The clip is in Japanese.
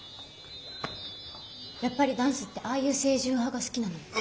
やっぱり男子ってああいう清純派が好きなの？